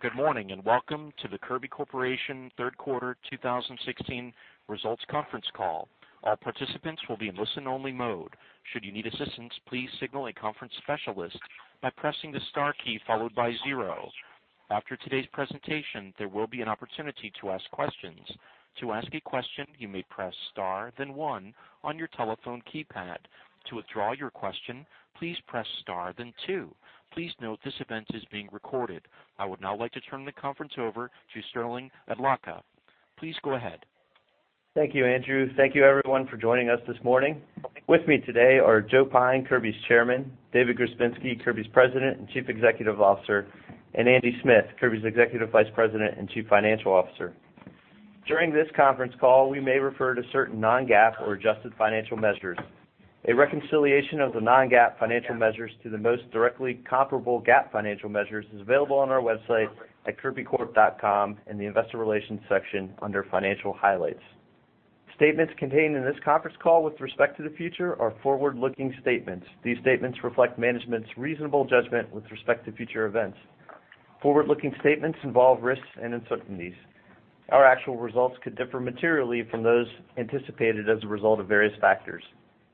Good morning, and welcome to the Kirby Corporation Third Quarter 2016 Results Conference Call. All participants will be in listen-only mode. Should you need assistance, please signal a conference specialist by pressing the star key followed by zero. After today's presentation, there will be an opportunity to ask questions. To ask a question, you may press star, then one on your telephone keypad. To withdraw your question, please press star, then two. Please note, this event is being recorded. I would now like to turn the conference over to Sterling Adlakha. Please go ahead. Thank you, Andrew. Thank you, everyone, for joining us this morning. With me today are Joe Pyne, Kirby's Chairman; David Grzebinski, Kirby's President and Chief Executive Officer; and Andy Smith, Kirby's Executive Vice President and Chief Financial Officer. During this conference call, we may refer to certain non-GAAP or adjusted financial measures. A reconciliation of the non-GAAP financial measures to the most directly comparable GAAP financial measures is available on our website at kirbycorp.com in the Investor Relations section under Financial Highlights. Statements contained in this conference call with respect to the future are forward-looking statements. These statements reflect management's reasonable judgment with respect to future events. Forward-looking statements involve risks and uncertainties. Our actual results could differ materially from those anticipated as a result of various factors.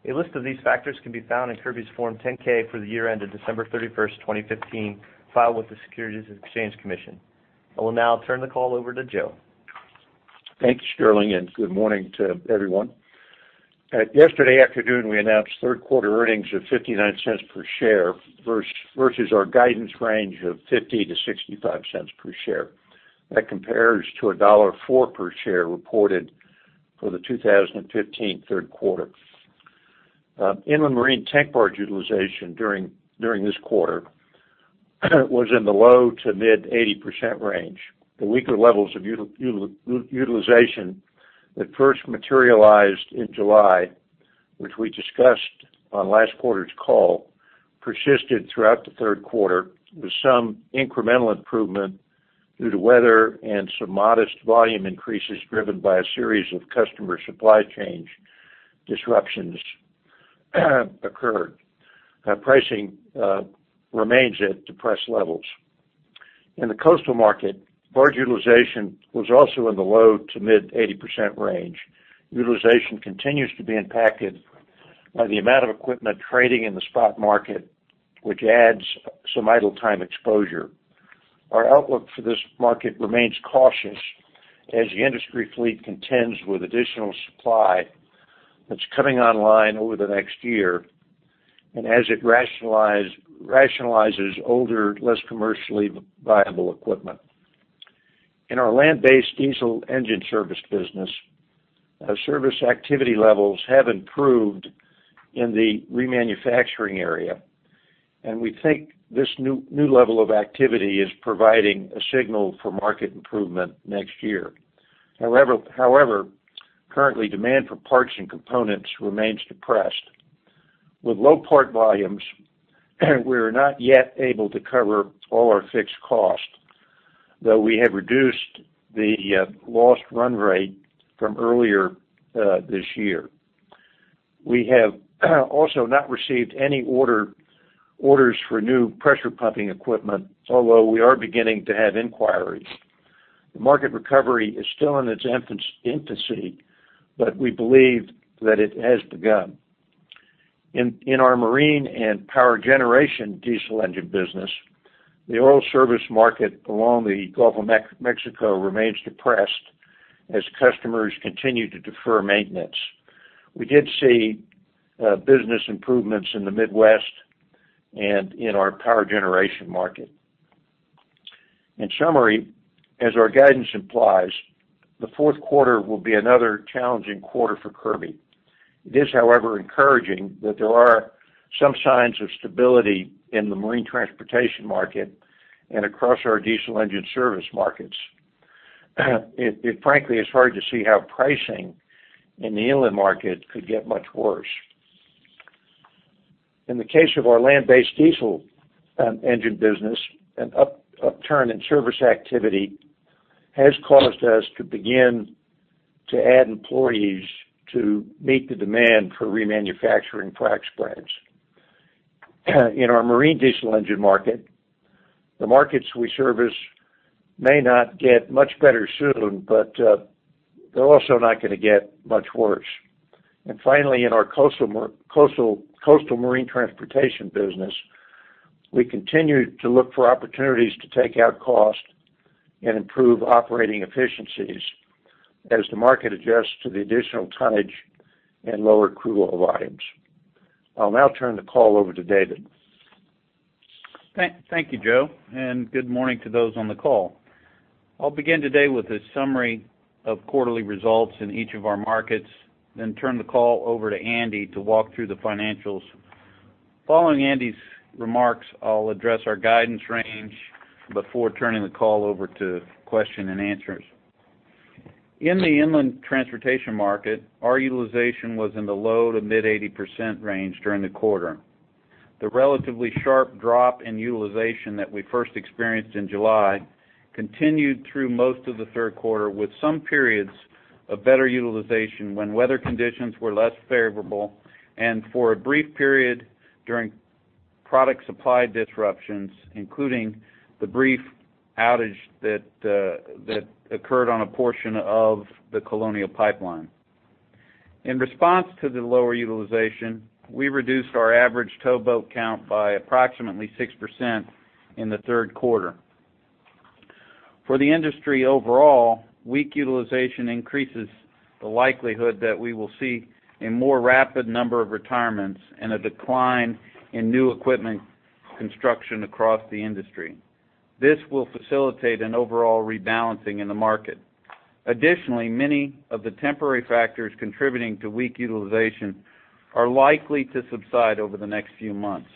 A list of these factors can be found in Kirby's Form 10-K for the year ended December 31st, 2015, filed with the Securities and Exchange Commission. I will now turn the call over to Joe. Thanks, Sterling, and good morning to everyone. Yesterday afternoon, we announced third quarter earnings of $0.59 per share, versus our guidance range of $0.50-$0.65 per share. That compares to $1.04 per share reported for the 2015 third quarter. Inland marine tank barge utilization during this quarter was in the low-to-mid 80% range. The weaker levels of utilization that first materialized in July, which we discussed on last quarter's call, persisted throughout the third quarter, with some incremental improvement due to weather and some modest volume increases driven by a series of customer supply chain disruptions, occurred. Pricing remains at depressed levels. In the coastal market, barge utilization was also in the low-to-mid 80% range. Utilization continues to be impacted by the amount of equipment trading in the spot market, which adds some idle time exposure. Our outlook for this market remains cautious as the industry fleet contends with additional supply that's coming online over the next year, and as it rationalizes older, less commercially viable equipment. In our land-based diesel engine service business, our service activity levels have improved in the remanufacturing area, and we think this new level of activity is providing a signal for market improvement next year. However, currently, demand for parts and components remains depressed. With low part volumes, we are not yet able to cover all our fixed costs, though we have reduced the loss run-rate from earlier this year. We have also not received any orders for new pressure pumping equipment, although we are beginning to have inquiries. The market recovery is still in its infancy, but we believe that it has begun. In our marine and power generation diesel engine business, the oil service market along the Gulf of Mexico remains depressed as customers continue to defer maintenance. We did see business improvements in the Midwest and in our power generation market. In summary, as our guidance implies, the fourth quarter will be another challenging quarter for Kirby. It is, however, encouraging that there are some signs of stability in the marine transportation market and across our diesel engine service markets. It frankly, it's hard to see how pricing in the inland market could get much worse. In the case of our land-based diesel engine business, an upturn in service activity has caused us to begin to add employees to meet the demand for remanufacturing frac spreads. In our marine diesel engine market, the markets we service may not get much better soon, but they're also not gonna get much worse. And finally, in our coastal marine transportation business, we continue to look for opportunities to take out cost and improve operating efficiencies as the market adjusts to the additional tonnage and lower crude oil volumes. I'll now turn the call over to David. Thank you, Joe, and good morning to those on the call. I'll begin today with a summary of quarterly results in each of our markets, then turn the call over to Andy to walk through the financials. Following Andy's remarks, I'll address our guidance range before turning the call over to question and answers. In the inland transportation market, our utilization was in the low- to mid-80% range during the quarter. The relatively sharp drop in utilization that we first experienced in July continued through most of the third quarter, with some periods a better utilization when weather conditions were less favorable, and for a brief period during product supply disruptions, including the brief outage that occurred on a portion of the Colonial Pipeline. In response to the lower utilization, we reduced our average towboat count by approximately 6% in the third quarter. For the industry overall, weak utilization increases the likelihood that we will see a more rapid number of retirements and a decline in new equipment construction across the industry. This will facilitate an overall rebalancing in the market. Additionally, many of the temporary factors contributing to weak utilization are likely to subside over the next few months.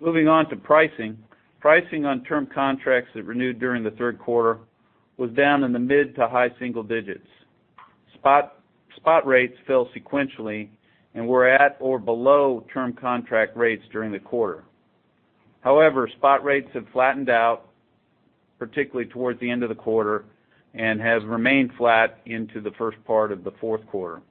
Moving on to pricing. Pricing on term contracts that renewed during the third quarter was down in the mid- to high-single digits. Spot rates fell sequentially and were at or below term contract rates during the quarter. However, spot rates have flattened out, particularly towards the end of the quarter, and have remained flat into the first part of the fourth quarter.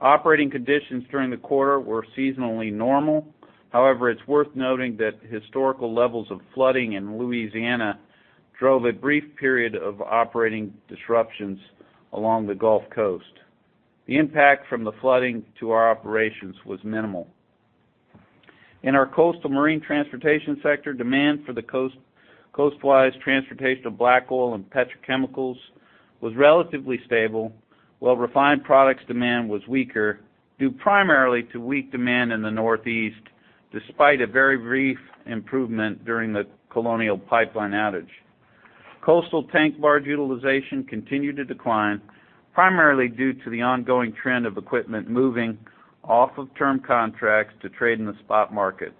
Operating conditions during the quarter were seasonally normal. However, it's worth noting that historical levels of flooding in Louisiana drove a brief period of operating disruptions along the Gulf Coast. The impact from the flooding to our operations was minimal. In our coastal marine transportation sector, demand for coastwise transportation of black oil and petrochemicals was relatively stable, while refined products demand was weaker, due primarily to weak demand in the Northeast, despite a very brief improvement during the Colonial Pipeline outage. Coastal tank barge utilization continued to decline, primarily due to the ongoing trend of equipment moving off of term contracts to trade in the spot market.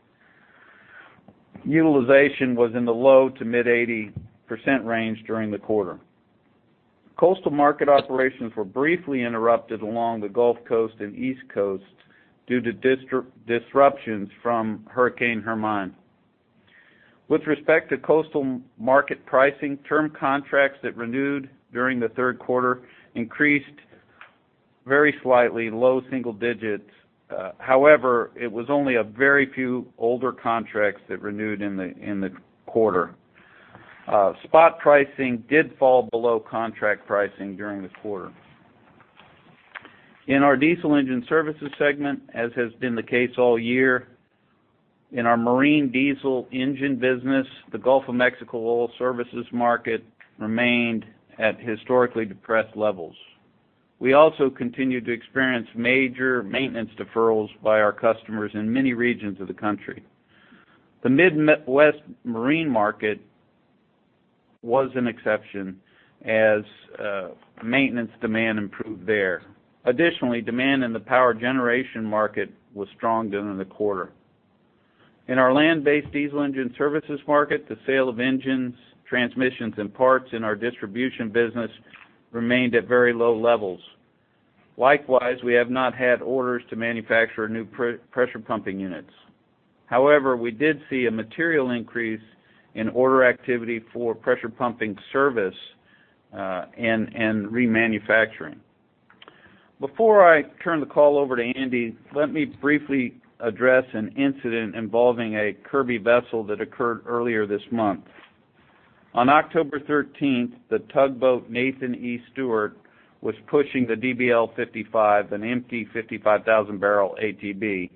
Utilization was in the low- to mid-80% range during the quarter. Coastal market operations were briefly interrupted along the Gulf Coast and East Coast due to disruptions from Hurricane Hermine. With respect to coastal market pricing, term contracts that renewed during the third quarter increased very slightly, low single digits. However, it was only a very few older contracts that renewed in the quarter. Spot pricing did fall below contract pricing during the quarter. In our diesel engine services segment, as has been the case all year, in our marine diesel engine business, the Gulf of Mexico oil services market remained at historically depressed levels. We also continued to experience major maintenance deferrals by our customers in many regions of the country. The Midwest marine market was an exception, as maintenance demand improved there. Additionally, demand in the power generation market was strong during the quarter. In our land-based diesel engine services market, the sale of engines, transmissions, and parts in our distribution business remained at very low levels. Likewise, we have not had orders to manufacture new pressure pumping units. However, we did see a material increase in order activity for pressure pumping service and remanufacturing. Before I turn the call over to Andy, let me briefly address an incident involving a Kirby vessel that occurred earlier this month. On October 13th, the tugboat Nathan E. Stewart was pushing the DBL 55, an empty 55,000-barrel ATB,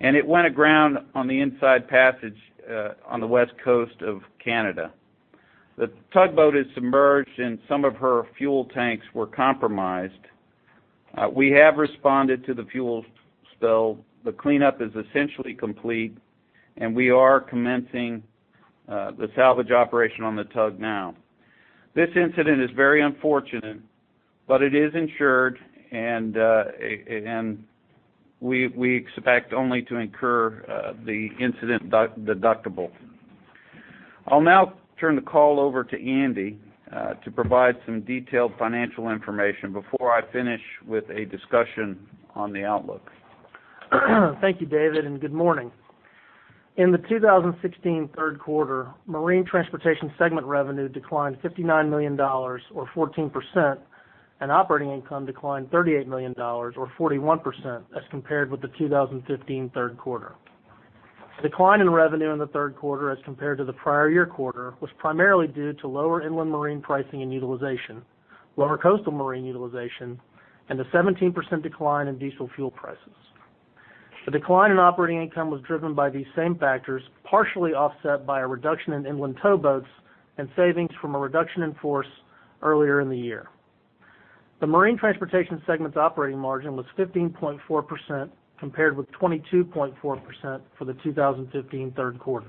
and it went aground on the Inside Passage, on the West Coast of Canada. The tugboat is submerged, and some of her fuel tanks were compromised. We have responded to the fuel spill. The cleanup is essentially complete, and we are commencing the salvage operation on the tug now. This incident is very unfortunate, but it is insured, and we expect only to incur the incident deductible. I'll now turn the call over to Andy to provide some detailed financial information before I finish with a discussion on the outlook. Thank you, David, and good morning. In the 2016 third quarter, marine transportation segment revenue declined $59 million or 14%, and operating income declined $38 million or 41% as compared with the 2015 third quarter. The decline in revenue in the third quarter, as compared to the prior year quarter, was primarily due to lower inland marine pricing and utilization, lower coastal marine utilization, and a 17% decline in diesel fuel prices. The decline in operating income was driven by these same factors, partially offset by a reduction in inland towboats and savings from a reduction in force earlier in the year. The marine transportation segment's operating margin was 15.4%, compared with 22.4% for the 2015 third quarter.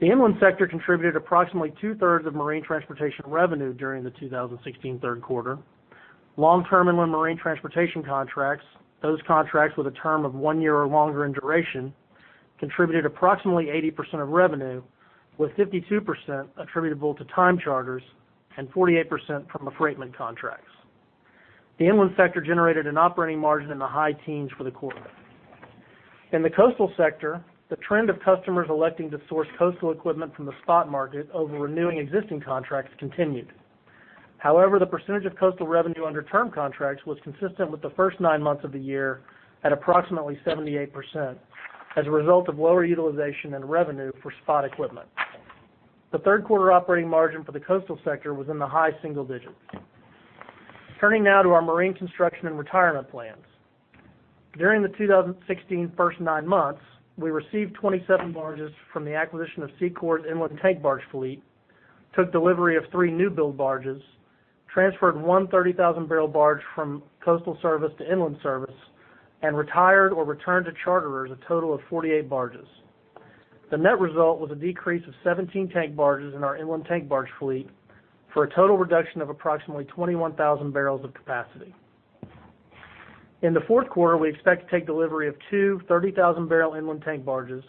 The inland sector contributed approximately two-thirds of marine transportation revenue during the 2016 third quarter. Long-term inland marine transportation contracts, those contracts with a term of one year or longer in duration, contributed approximately 80% of revenue, with 52% attributable to time charters and 48% from the freight contracts. The inland sector generated an operating margin in the high teens for the quarter. In the coastal sector, the trend of customers electing to source coastal equipment from the spot market over renewing existing contracts continued. However, the percentage of coastal revenue under term contracts was consistent with the first nine months of the year at approximately 78%, as a result of lower utilization and revenue for spot equipment. The third quarter operating margin for the coastal sector was in the high single digits. Turning now to our marine construction and retirement plans. During the 2016 first nine months, we received 27 barges from the acquisition of SEACOR's inland tank barge fleet, took delivery of 3 new build barges, transferred one 30,000-barrel barge from coastal service to inland service, and retired or returned to charterers a total of 48 barges. The net result was a decrease of 17 tank barges in our inland tank barge fleet for a total reduction of approximately 21,000 barrels of capacity. In the fourth quarter, we expect to take delivery of two 30,000-barrel inland tank barges,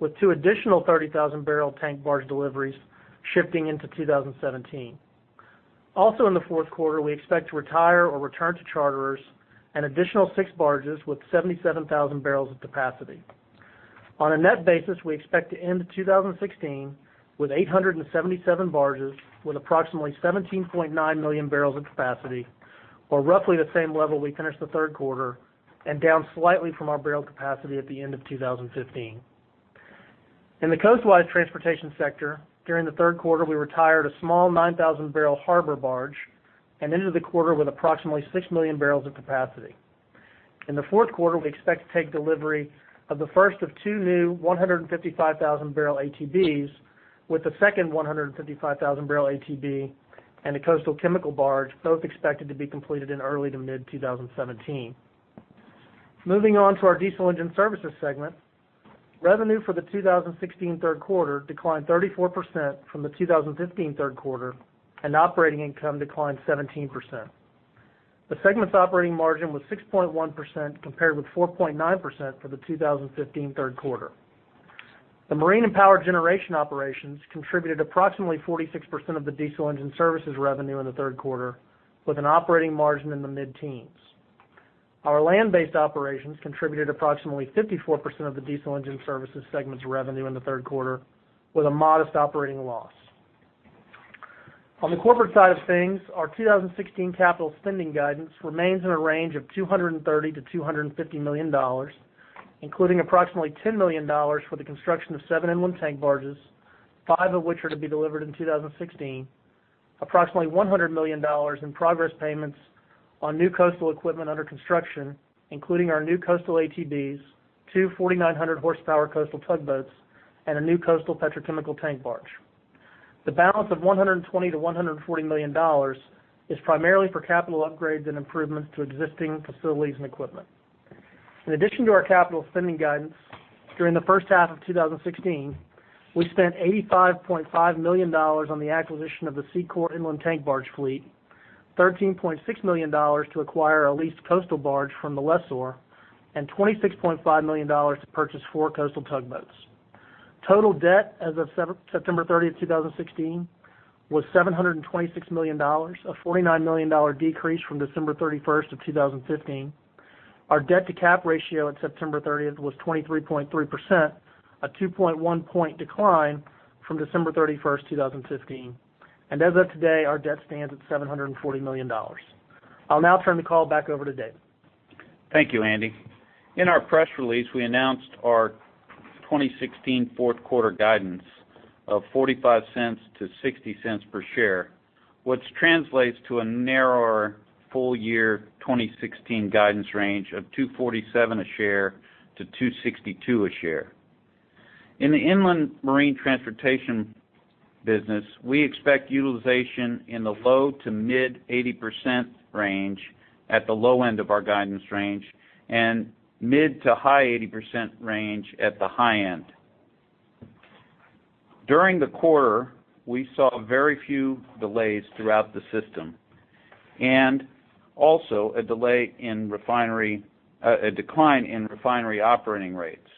with two additional 30,000-barrel tank barge deliveries shifting into 2017. Also, in the fourth quarter, we expect to retire or return to charterers an additional 6 barges with 77,000 barrels of capacity. On a net basis, we expect to end 2016 with 877 barges with approximately 17.9 million barrels of capacity, or roughly the same level we finished the third quarter and down slightly from our barrel capacity at the end of 2015. In the coastwise transportation sector, during the third quarter, we retired a small 9,000-barrel harbor barge and ended the quarter with approximately 6 million barrels of capacity. In the fourth quarter, we expect to take delivery of the first of two new 155,000-barrel ATBs, with the second 155,000-barrel ATB and a coastal chemical barge, both expected to be completed in early to mid 2017. Moving on to our diesel engine services segment. Revenue for the 2016 third quarter declined 34% from the 2015 third quarter, and operating income declined 17%. The segment's operating margin was 6.1%, compared with 4.9% for the 2015 third quarter. The marine and power generation operations contributed approximately 46% of the diesel engine services revenue in the third quarter, with an operating margin in the mid-teens. Our land-based operations contributed approximately 54% of the diesel engine services segment's revenue in the third quarter, with a modest operating loss. On the corporate side of things, our 2016 capital spending guidance remains in a range of $230 million-$250 million, including approximately $10 million for the construction of seven inland tank barges, five of which are to be delivered in 2016. Approximately $100 million in progress payments on new coastal equipment under construction, including our new coastal ATBs, two 4,900-horsepower coastal tugboats, and a new coastal petrochemical tank barge. The balance of $120 million-$140 million is primarily for capital upgrades and improvements to existing facilities and equipment. In addition to our capital spending guidance, during the first half of 2016, we spent $85.5 million on the acquisition of the SEACOR inland tank barge fleet, $13.6 million to acquire a leased coastal barge from the lessor, and $26.5 million to purchase four coastal tugboats. Total debt as of September 30, 2016, was $726 million, a $49 million decrease from December 31, 2015. Our debt-to-cap ratio at September 30 was 23.3%, a 2.1-point decline from December 31, 2015. As of today, our debt stands at $740 million. I'll now turn the call back over to David. Thank you, Andy. In our press release, we announced our 2016 fourth quarter guidance of $0.45-$0.60 per share, which translates to a narrower full year 2016 guidance range of $2.47-$2.62 per share. In the inland marine transportation business, we expect utilization in the low-to-mid 80% range at the low end of our guidance range, and mid-to-high 80% range at the high end. During the quarter, we saw very few delays throughout the system, and also a decline in refinery operating rates.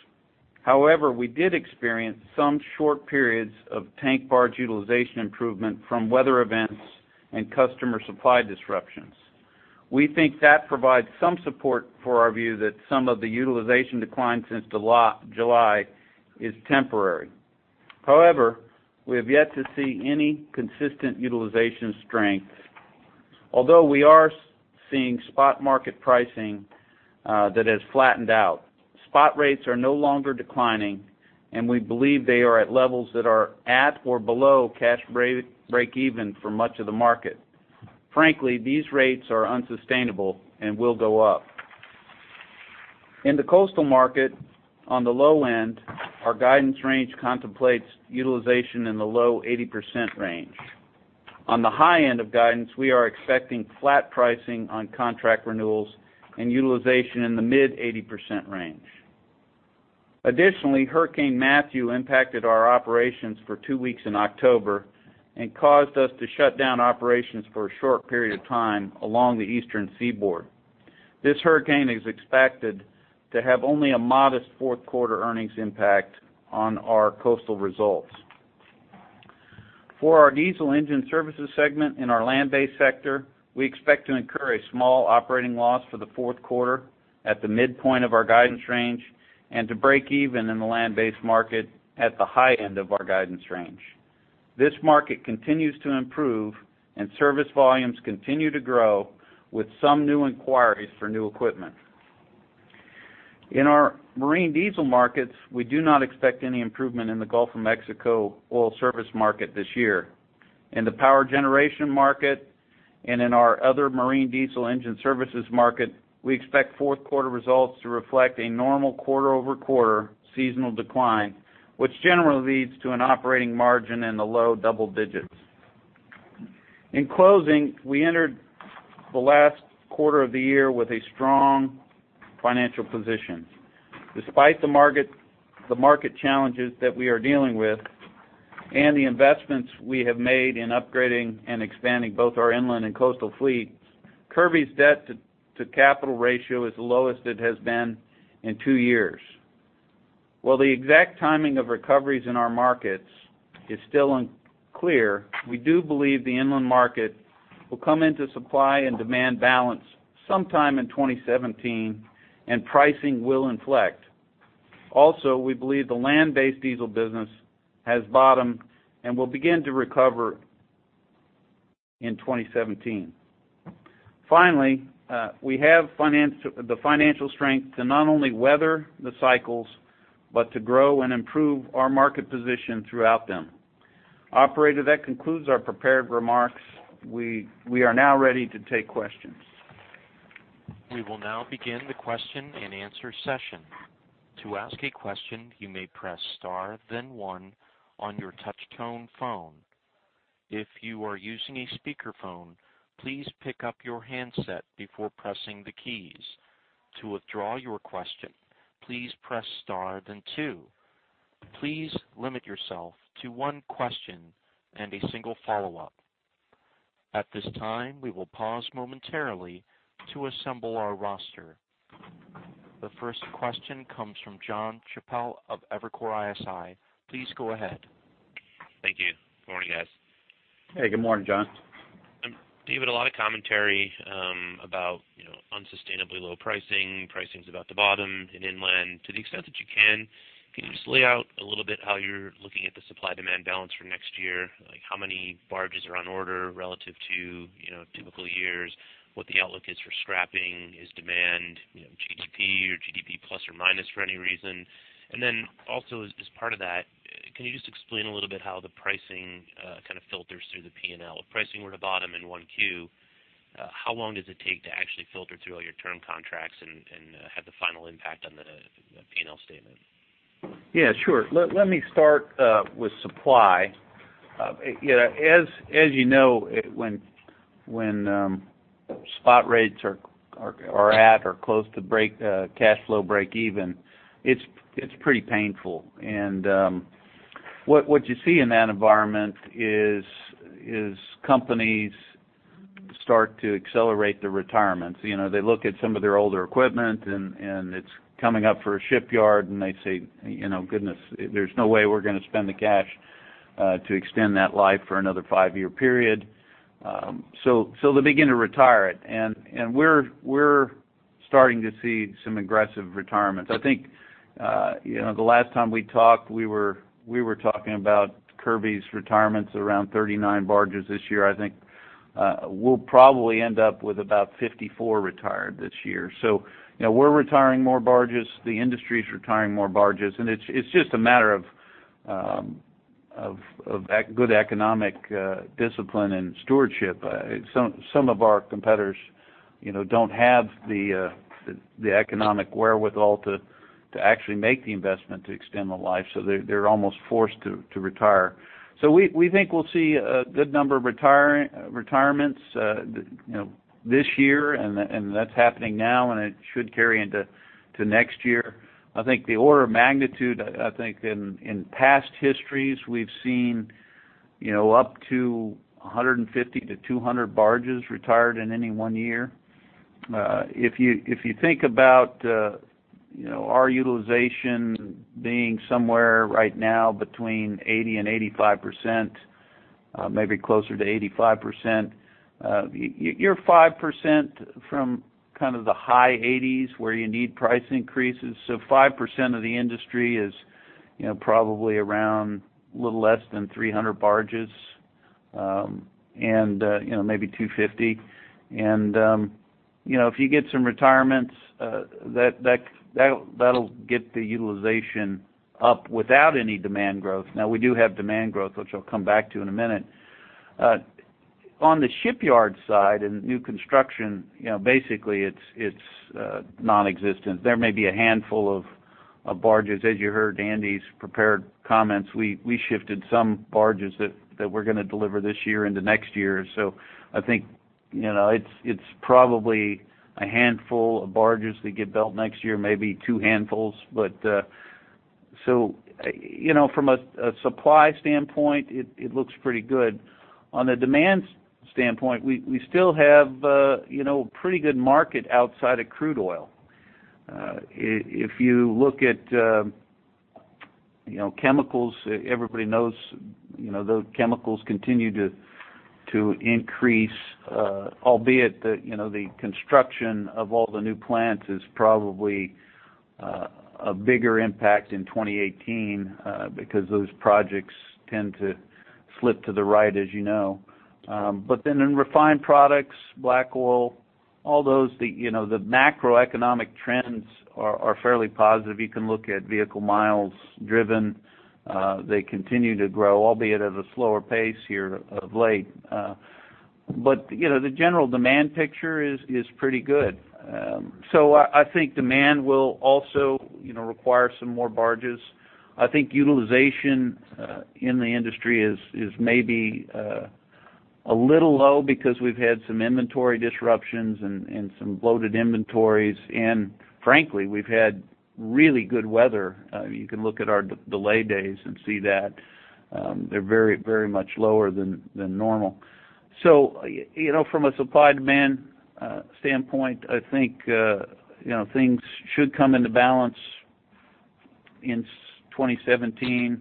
However, we did experience some short periods of tank barge utilization improvement from weather events and customer supply disruptions. We think that provides some support for our view that some of the utilization decline since July, July is temporary. However, we have yet to see any consistent utilization strength, although we are seeing spot market pricing that has flattened out. Spot rates are no longer declining, and we believe they are at levels that are at or below cash breakeven for much of the market. Frankly, these rates are unsustainable and will go up. In the coastal market, on the low end, our guidance range contemplates utilization in the low 80% range. On the high end of guidance, we are expecting flat pricing on contract renewals and utilization in the mid 80% range. Additionally, Hurricane Matthew impacted our operations for 2 weeks in October and caused us to shut down operations for a short period of time along the Eastern Seaboard. This hurricane is expected to have only a modest fourth quarter earnings impact on our coastal results. For our diesel engine services segment in our land-based sector, we expect to incur a small operating loss for the fourth quarter at the midpoint of our guidance range, and to breakeven in the land-based market at the high end of our guidance range. This market continues to improve, and service volumes continue to grow, with some new inquiries for new equipment. In our marine diesel markets, we do not expect any improvement in the Gulf of Mexico oil service market this year. In the power generation market and in our other marine diesel engine services market, we expect fourth quarter results to reflect a normal quarter-over-quarter seasonal decline, which generally leads to an operating margin in the low double digits. In closing, we entered the last quarter of the year with a strong financial position. Despite the market challenges that we are dealing with and the investments we have made in upgrading and expanding both our inland and coastal fleet, Kirby's debt-to-capital ratio is the lowest it has been in two years. While the exact timing of recoveries in our markets is still unclear, we do believe the inland market will come into supply and demand balance sometime in 2017, and pricing will inflect. Also, we believe the land-based diesel business has bottomed and will begin to recover in 2017. Finally, we have the financial strength to not only weather the cycles, but to grow and improve our market position throughout them. Operator, that concludes our prepared remarks. We are now ready to take questions. We will now begin the question-and-answer session. To ask a question, you may press star, then one on your touchtone phone. If you are using a speakerphone, please pick up your handset before pressing the keys. To withdraw your question, please press star, then two. Please limit yourself to one question and a single follow-up. At this time, we will pause momentarily to assemble our roster. The first question comes from Jon Chappell of Evercore ISI. Please go ahead. Thank you. Good morning, guys. Hey, good morning, Jon. David, a lot of commentary about, you know, unsustainably low pricing, pricing is about to bottom in inland. To the extent that you can, can you just lay out a little bit how you're looking at the supply-demand balance for next year? Like, how many barges are on order relative to, you know, typical years? What the outlook is for scrapping? Is demand, you know, GDP or GDP plus or minus for any reason? And then also, as part of that, can you just explain a little bit how the pricing kind of filters through the P&L? If pricing were to bottom in one Q, how long does it take to actually filter through all your term contracts and have the final impact on the P&L statement? Yeah, sure. Let me start with supply. You know, as you know, it—when spot rates are at or close to break cash flow breakeven, it's pretty painful. And what you see in that environment is companies start to accelerate their retirements. You know, they look at some of their older equipment, and it's coming up for a shipyard, and they say, "You know, goodness, there's no way we're gonna spend the cash to extend that life for another five-year period." So they begin to retire it, and we're starting to see some aggressive retirements. I think, you know, the last time we talked, we were talking about Kirby's retirements around 39 barges this year. I think we'll probably end up with about 54 retired this year. So you know, we're retiring more barges, the industry is retiring more barges, and it's just a matter of good economic discipline and stewardship. Some of our competitors, you know, don't have the economic wherewithal to actually make the investment to extend the life, so they're almost forced to retire. So we think we'll see a good number of retirements, you know, this year, and that's happening now, and it should carry into next year. I think the order of magnitude, I think in past histories, we've seen, you know, up to 150 to 200 barges retired in any one year. If you think about, you know, our utilization being somewhere right now between 80% and 85%, maybe closer to 85%, you're 5% from kind of the high 80s, where you need price increases. So 5% of the industry is, you know, probably around a little less than 300 barges, and, you know, maybe 250. And, you know, if you get some retirements, that'll get the utilization up without any demand growth. Now, we do have demand growth, which I'll come back to in a minute. On the shipyard side and new construction, you know, basically, it's nonexistent. There may be a handful of barges. As you heard Andy's prepared comments, we shifted some barges that we're gonna deliver this year into next year. So I think, you know, it's probably a handful of barges that get built next year, maybe two handfuls. But, so, you know, from a supply standpoint, it looks pretty good. On the demand standpoint, we still have, you know, pretty good market outside of crude oil. If you look at, you know, chemicals, everybody knows, you know, those chemicals continue to increase, albeit the, you know, the construction of all the new plants is probably a bigger impact in 2018, because those projects tend to slip to the right, as you know. But then in refined products, black oil, all those, the, you know, the macroeconomic trends are fairly positive. You can look at vehicle miles driven. They continue to grow, albeit at a slower pace here of late. But, you know, the general demand picture is pretty good. So I think demand will also, you know, require some more barges. I think utilization in the industry is maybe a little low because we've had some inventory disruptions and some bloated inventories. And frankly, we've had really good weather. You can look at our delay days and see that they're very, very much lower than normal. So you know, from a supply/demand standpoint, I think you know, things should come into balance in 2017,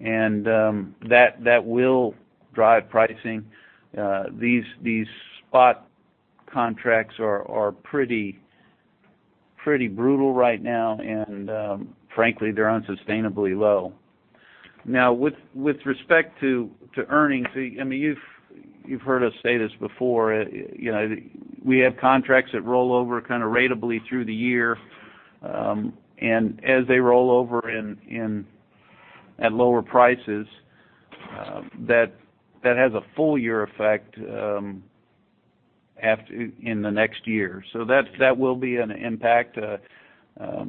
and that will drive pricing. These spot contracts are pretty, pretty brutal right now, and frankly, they're unsustainably low. Now, with respect to earnings, I mean, you've heard us say this before, you know, we have contracts that roll over kind of ratably through the year. And as they roll over at lower prices, that has a full year effect in the next year. So that will be an impact. As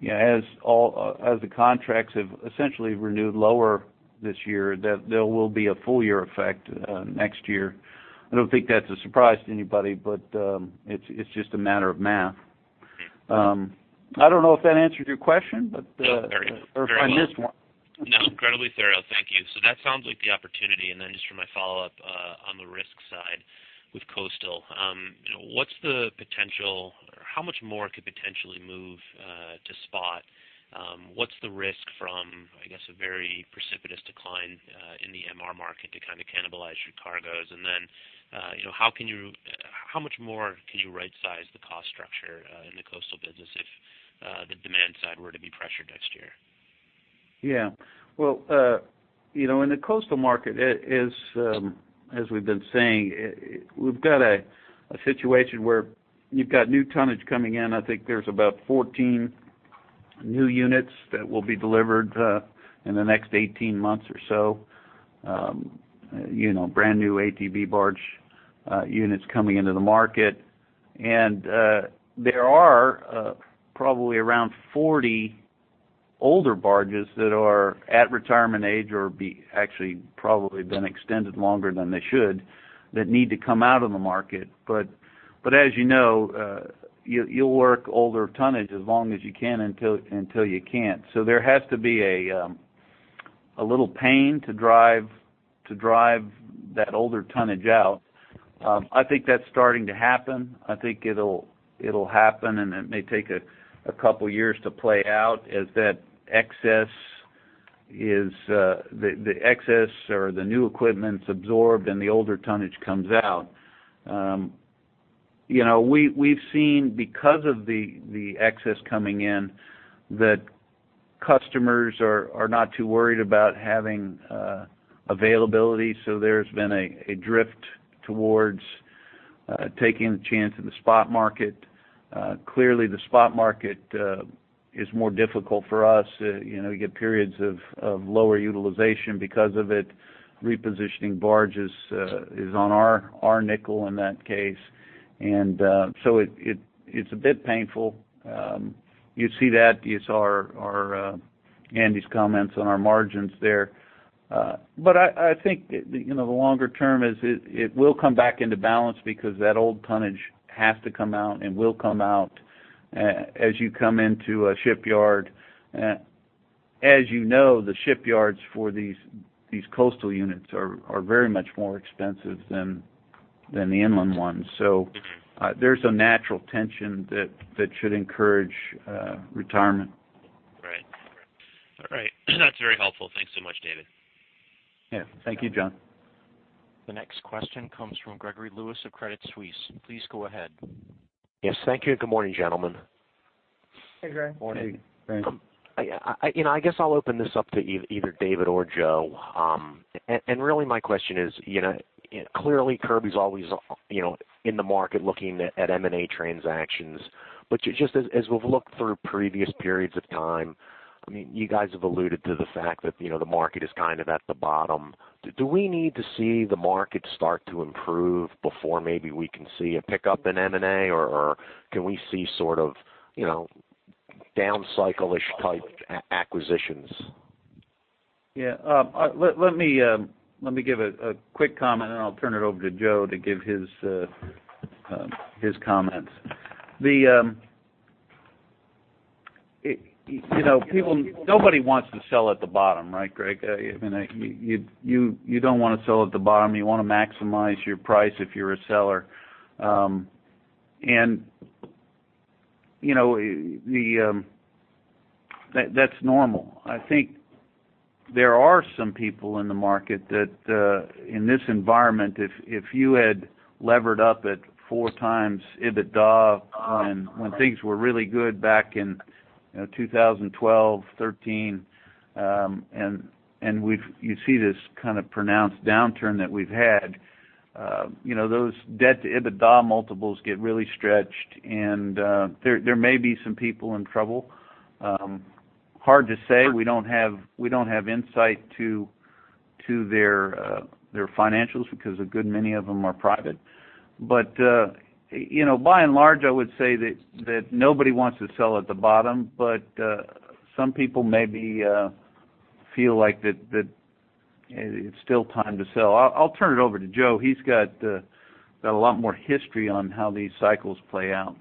the contracts have essentially renewed lower this year, there will be a full year effect next year. I don't think that's a surprise to anybody, but it's just a matter of math. I don't know if that answered your question, but. No, very. Or if I missed one. No, incredibly thorough. Thank you. So that sounds like the opportunity. And then just for my follow-up, on the risk side with coastal, you know, what's the potential or how much more could potentially move, to spot? What's the risk from, I guess, a very precipitous decline, in the MR market to kind of cannibalize your cargoes? And then, you know, how can you--how much more can you rightsize the cost structure, in the coastal business if the demand side were to be pressured next year? Yeah. Well, you know, in the coastal market, it is, as we've been saying, we've got a situation where you've got new tonnage coming in. I think there's about 14 new units that will be delivered, in the next 18 months or so. You know, brand-new ATB barge units coming into the market. And, there are, probably around 40 older barges that are at retirement age or be actually probably been extended longer than they should, that need to come out of the market. But, but as you know, you, you'll work older tonnage as long as you can until, until you can't. So there has to be a, a little pain to drive, to drive that older tonnage out. I think that's starting to happen. I think it'll happen, and it may take a couple of years to play out as that excess or the new equipment is absorbed, and the older tonnage comes out. You know, we've seen because of the excess coming in that customers are not too worried about having availability, so there's been a drift towards taking the chance in the spot market. Clearly, the spot market is more difficult for us. You know, we get periods of lower utilization because of it. Repositioning barges is on our nickel in that case. And so it's a bit painful. You see that. You saw our Andy's comments on our margins there. But I think, you know, the longer term is it will come back into balance because that old tonnage has to come out and will come out as you come into a shipyard. As you know, the shipyards for these coastal units are very much more expensive than the inland ones, There's a natural tension that should encourage retirement. Right. Right. All right. That's very helpful. Thanks so much, David. Yeah. Thank you, Jon. The next question comes from Gregory Lewis of Credit Suisse. Please go ahead. Yes, thank you, and good morning, gentlemen. Hey, Greg. Morning, Greg. Yeah, I guess I'll open this up to either David or Joe. And really, my question is, you know, clearly, Kirby's always, you know, in the market looking at M&A transactions. But just as we've looked through previous periods of time, I mean, you guys have alluded to the fact that, you know, the market is kind of at the bottom. Do we need to see the market start to improve before maybe we can see a pickup in M&A, or can we see sort of, you know, down cycle-ish type acquisitions? Yeah, let me give a quick comment, and I'll turn it over to Joe to give his comments. You know, people, nobody wants to sell at the bottom, right, Greg? I mean, you don't want to sell at the bottom. You want to maximize your price if you're a seller. And you know, that's normal. I think there are some people in the market that in this environment, if you had levered up at 4 times EBITDA when things were really good back in 2012, 2013, and we've you see this kind of pronounced downturn that we've had, you know, those debt-to-EBITDA multiples get really stretched, and there may be some people in trouble. Hard to say. We don't have insight to their financials because a good many of them are private. But you know, by and large, I would say that nobody wants to sell at the bottom, but some people maybe feel like that it's still time to sell. I'll turn it over to Joe. He's got a lot more history on how these cycles play out.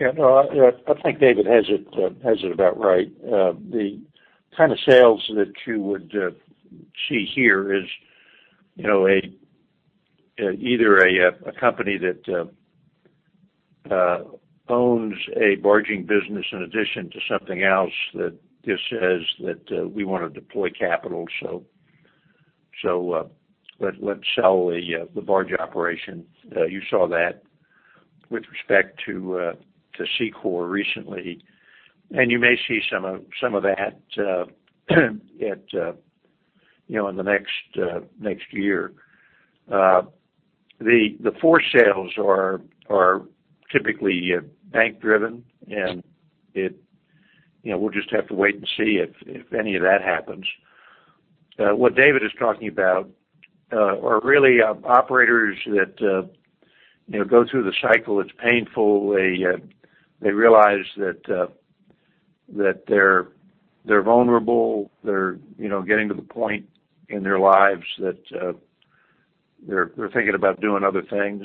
Yeah, no, I think David has it about right. The kind of sales that you would see here is, you know, either a company that owns a barging business in addition to something else that just says that we want to deploy capital, so let's sell the barge operation. You saw that with respect to SEACOR recently, and you may see some of that at, you know, in the next year. The forced sales are typically bank driven, and it. You know, we'll just have to wait and see if any of that happens. What David is talking about are really operators that you know go through the cycle. It's painful. They realize that they're vulnerable. They're getting to the point in their lives that they're thinking about doing other things,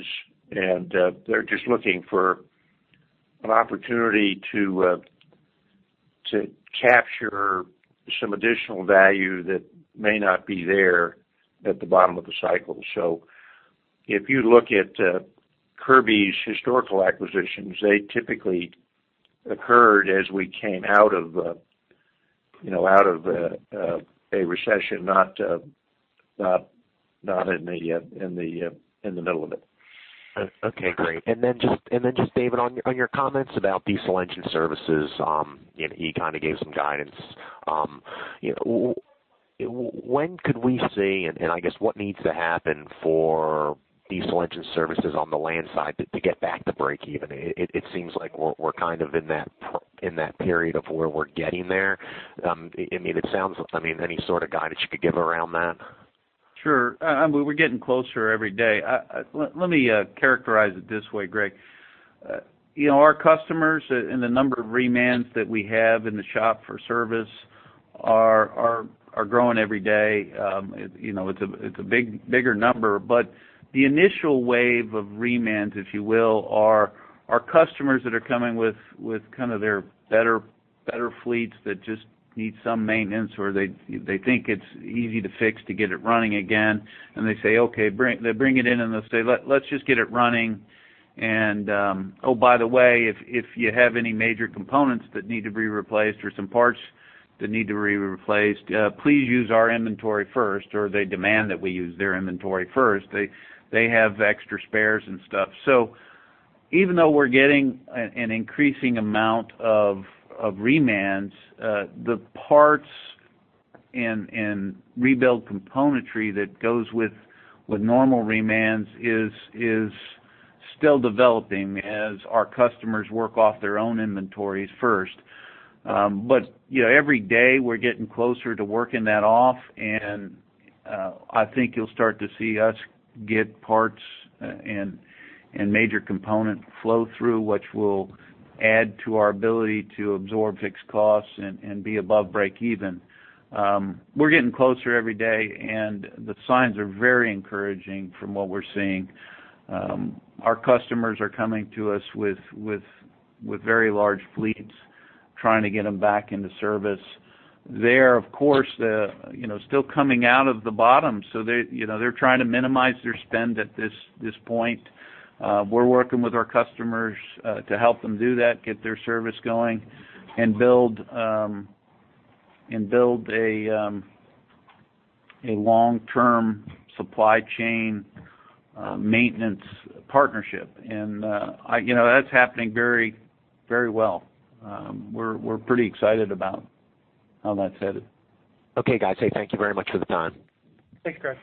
and they're just looking for an opportunity to capture some additional value that may not be there at the bottom of the cycle. So if you look at Kirby's historical acquisitions, they typically occurred as we came out of a recession, not in the middle of it. Okay, great. And then just David, on your comments about diesel engine services, you know, he kind of gave some guidance. You know, when could we see, and I guess what needs to happen for diesel engine services on the land side to get back to breakeven? It seems like we're kind of in that period of where we're getting there. I mean, it sounds, I mean, any sort of guidance you could give around that? Sure. We're getting closer every day. Let me characterize it this way, Greg. You know, our customers and the number of remans that we have in the shop for service are growing every day. You know, it's a bigger number, but the initial wave of remans, if you will, are customers that are coming with kind of their better fleets that just need some maintenance, or they think it's easy to fix to get it running again. And they say, "Okay, bring." They bring it in, and they'll say, "Let's just get it running, and, oh, by the way, if you have any major components that need to be replaced or some parts that need to be replaced, please use our inventory first," or they demand that we use their inventory first. They have extra spares and stuff. So even though we're getting an increasing amount of remans, the parts and rebuild componentry that goes with normal remans is still developing as our customers work off their own inventories first. But, you know, every day, we're getting closer to working that off, and I think you'll start to see us get parts and major component flow through, which will add to our ability to absorb fixed costs and be above breakeven. We're getting closer every day, and the signs are very encouraging from what we're seeing. Our customers are coming to us with very large fleets, trying to get them back into service. They are, of course, you know, still coming out of the bottom, so they, you know, they're trying to minimize their spend at this point. We're working with our customers to help them do that, get their service going, and build and build a long-term supply chain maintenance partnership. And, I, you know, that's happening very, very well. We're pretty excited about how that's headed. Okay, guys. Hey, thank you very much for the time. Thanks, Greg.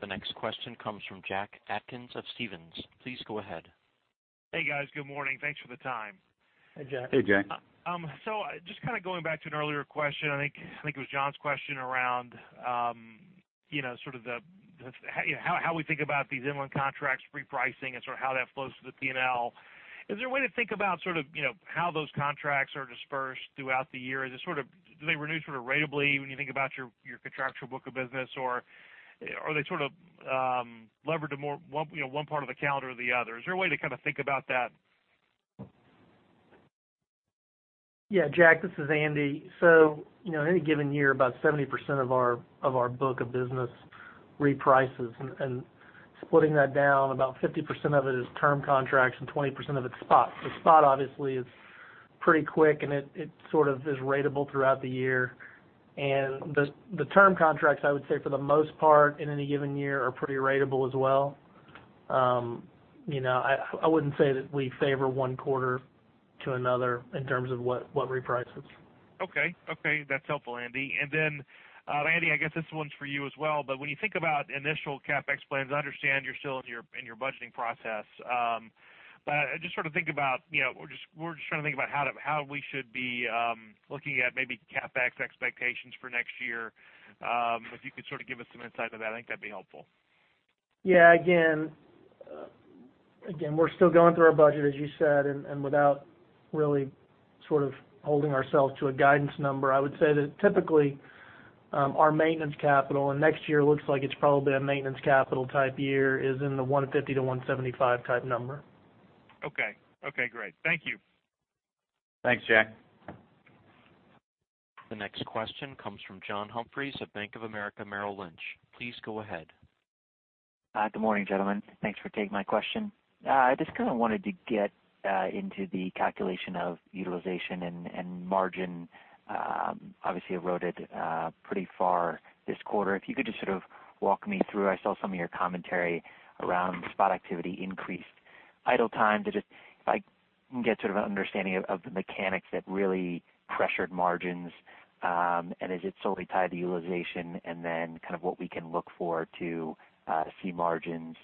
The next question comes from Jack Atkins of Stephens. Please go ahead. Hey, guys. Good morning. Thanks for the time. Hey, Jack. Hey, Jack. So just kind of going back to an earlier question, I think, I think it was John's question around, you know, sort of the how, you know, how we think about these inland contracts repricing and sort of how that flows to the P&L. Is there a way to think about sort of, you know, how those contracts are dispersed throughout the year? Is it sort of, do they renew sort of ratably when you think about your, your contractual book of business, or are they sort of, levered to more one, you know, one part of the calendar or the other? Is there a way to kind of think about that? Yeah, Jack, this is Andy. So, you know, in any given year, about 70% of our book of business reprices, and splitting that down, about 50% of it is term contracts and 20% of it's spot. So spot obviously is pretty quick, and it sort of is ratable throughout the year. And the term contracts, I would say, for the most part, in any given year, are pretty ratable as well. You know, I wouldn't say that we favor one quarter to another in terms of what reprices. Okay. Okay, that's helpful, Andy. And then, Andy, I guess this one's for you as well. But when you think about initial CapEx plans, I understand you're still in your, in your budgeting process. But just sort of think about, you know, we're just, we're just trying to think about how we should be looking at maybe CapEx expectations for next year. If you could sort of give us some insight on that, I think that'd be helpful. Yeah, again, again, we're still going through our budget, as you said, and without really sort of holding ourselves to a guidance number, I would say that typically, our maintenance capital, and next year looks like it's probably a maintenance capital type year, is in the $150-$175 type number. Okay. Okay, great. Thank you. Thanks, Jack. The next question comes from John Humphreys at Bank of America Merrill Lynch. Please go ahead. Good morning, gentlemen. Thanks for taking my question. I just kind of wanted to get into the calculation of utilization and margin, obviously eroded pretty far this quarter. If you could just sort of walk me through, I saw some of your commentary around spot activity increased idle time. To just, if I can get sort of an understanding of the mechanics that really pressured margins, and is it solely tied to utilization, and then kind of what we can look for to see margins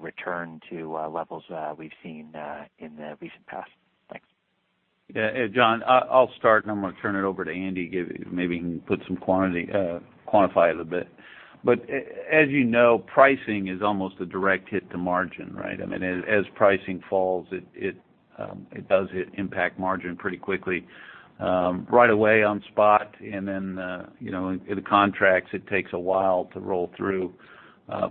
return to levels we've seen in the recent past? Thanks. Yeah, John, I'll start, and I'm gonna turn it over to Andy, maybe he can put some quantity, quantify it a bit. But as you know, pricing is almost a direct hit to margin, right? I mean, as pricing falls, it does hit impact margin pretty quickly, right away on spot, and then, you know, in the contracts, it takes a while to roll through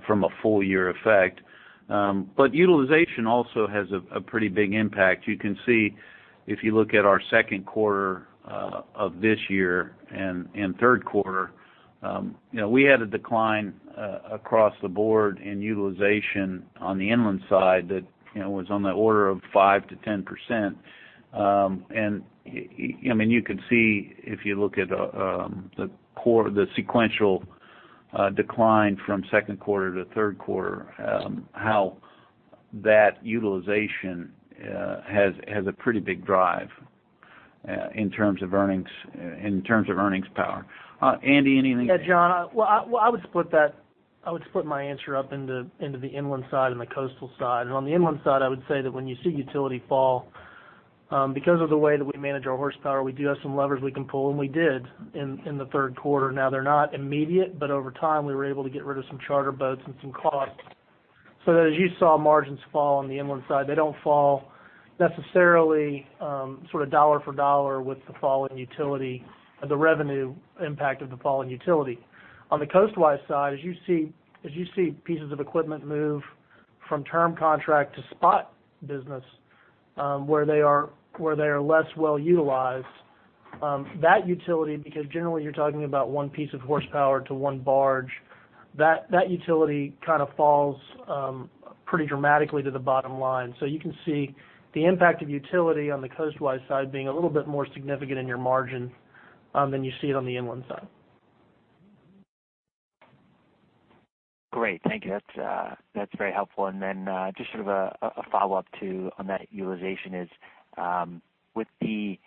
from a full year effect. But utilization also has a pretty big impact. You can see if you look at our second quarter of this year and third quarter, you know, we had a decline across the board in utilization on the inland side that, you know, was on the order of 5%-10%. And, I mean, you can see, if you look at, the quarter, the sequential, decline from second quarter to third quarter, how that utilization, has a pretty big drive, in terms of earnings, in terms of earnings power. Andy, anything. Yeah, John, well, I would split that—I would split my answer up into the inland side and the coastal side. And on the inland side, I would say that when you see utilization fall, because of the way that we manage our horsepower, we do have some levers we can pull, and we did in the third quarter. Now, they're not immediate, but over time, we were able to get rid of some charter boats and some costs. So that as you saw margins fall on the inland side, they don't fall necessarily, sort of dollar for dollar with the fall in utilization, the revenue impact of the fall in utilization. On the coastwise side, as you see pieces of equipment move from term contract to spot business, where they are less well utilized, that utilization, because generally you're talking about one piece of horsepower to one barge, that utilization kind of falls pretty dramatically to the bottom line. So you can see the impact of utilization on the coastwise side being a little bit more significant in your margin than you see it on the inland side. Great. Thank you. That's, that's very helpful. And then, just sort of a, a follow-up to on that utilization is, with the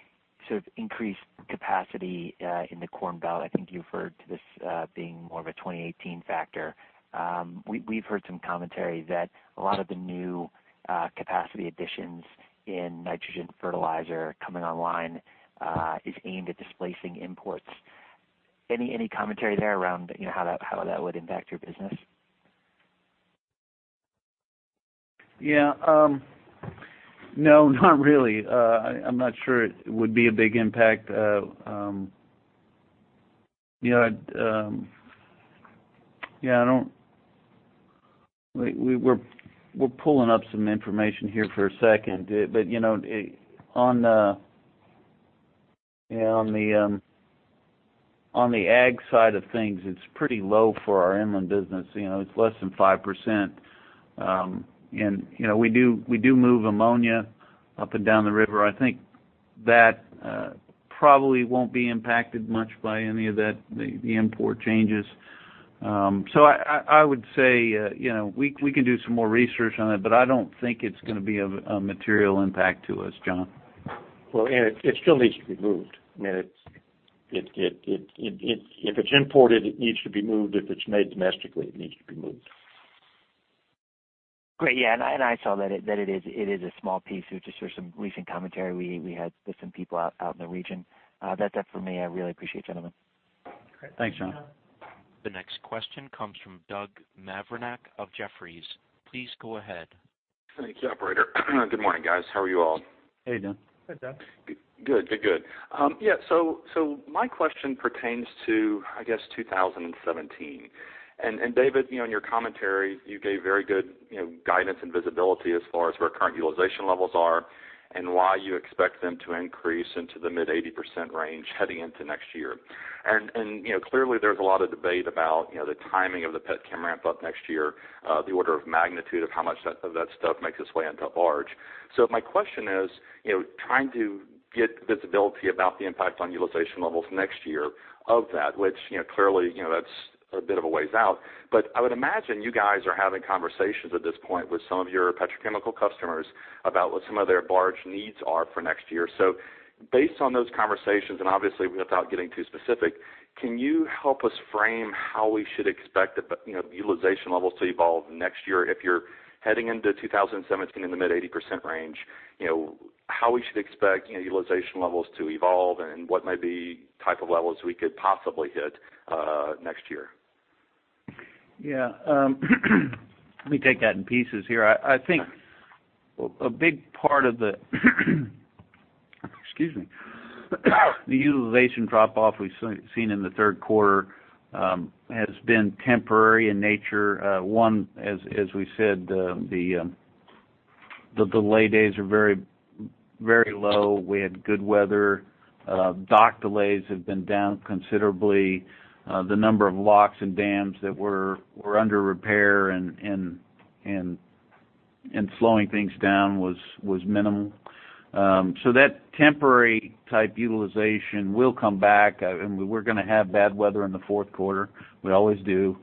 sort of increased capacity, in the Corn Belt, I think you referred to this, being more of a 2018 factor. We've heard some commentary that a lot of the new, capacity additions in nitrogen fertilizer coming online, is aimed at displacing imports. Any, any commentary there around, you know, how that, how that would impact your business? Yeah, no, not really. I'm not sure it would be a big impact. You know, we're pulling up some information here for a second. But you know, on the ag side of things, it's pretty low for our inland business. You know, it's less than 5%. And you know, we move ammonia up and down the river. I think that probably won't be impacted much by any of that, the import changes. So I would say, you know, we can do some more research on it, but I don't think it's gonna be of a material impact to us, John. Well, it still needs to be moved. I mean, if it's imported, it needs to be moved. If it's made domestically, it needs to be moved. Great, yeah, and I saw that it is a small piece. It's just there's some recent commentary we had with some people out in the region. That's that for me. I really appreciate, gentlemen. Great. Thanks, John. The next question comes from Doug Mavrinac of Jefferies. Please go ahead. Thank you, operator. Good morning, guys. How are you all? How you doing? Hi, Doug. Good, good, good. Yeah, so, so my question pertains to, I guess, 2017. And, and David, you know, in your commentary, you gave very good, you know, guidance and visibility as far as where current utilization levels are and why you expect them to increase into the mid-80% range heading into next year. And, and, you know, clearly, there's a lot of debate about, you know, the timing of the petchem ramp up next year, the order of magnitude of how much that, of that stuff makes its way into barge. So my question is, you know, trying to get visibility about the impact on utilization levels next year of that, which, you know, clearly, you know, that's a bit of a ways out. But I would imagine you guys are having conversations at this point with some of your petrochemical customers about what some of their barge needs are for next year. So based on those conversations, and obviously, without getting too specific, can you help us frame how we should expect the, you know, the utilization levels to evolve next year if you're heading into 2017 in the mid-80% range? You know, how we should expect, you know, utilization levels to evolve and what might be type of levels we could possibly hit next year? Yeah, let me take that in pieces here. I think a big part of the, excuse me, the utilization drop-off we've seen in the third quarter has been temporary in nature. One, as we said, the delay days are very, very low. We had good weather. Dock delays have been down considerably. The number of locks and dams that were under repair and slowing things down was minimal. So that temporary type utilization will come back. I mean, we're gonna have bad weather in the fourth quarter. We always do.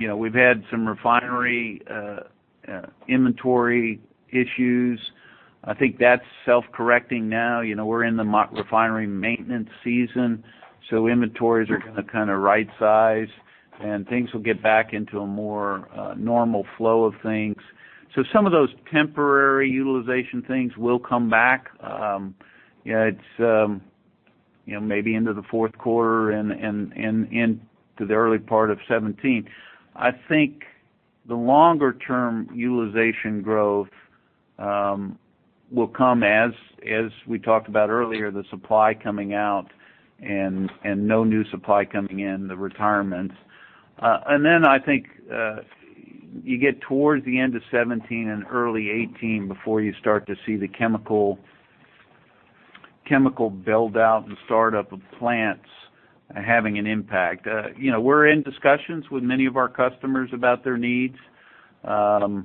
You know, we've had some refinery inventory issues. I think that's self-correcting now. You know, we're in the refinery maintenance season, so inventories are gonna kind of right size, and things will get back into a more, normal flow of things. So some of those temporary utilization things will come back. You know, it's maybe into the fourth quarter and to the early part of 2017. I think the longer-term utilization growth will come as we talked about earlier, the supply coming out and no new supply coming in, the retirements. And then I think you get towards the end of 2017 and early 2018 before you start to see the chemical build-out and startup of plants having an impact. You know, we're in discussions with many of our customers about their needs. They're, you know,